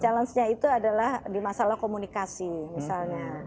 challenge nya itu adalah di masalah komunikasi misalnya